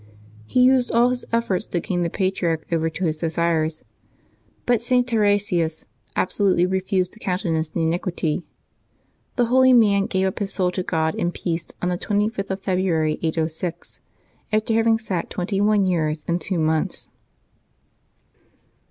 He used all his elforts to gain the patriarch over to his desires, but St. Tarasius resolutely refused to countenance the iniquity. The holy man gave up his soul to God in peace on the 2r)th of Feb ruary, 806, after having sat twenty one years and two months.